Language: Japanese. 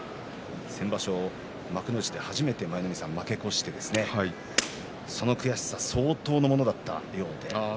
先場所、幕内で初めて負け越してその悔しさ相当なものだったようです。